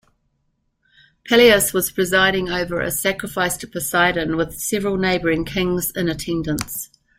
Pelias was presiding over a sacrifice to Poseidon with several neighboring kings in attendance.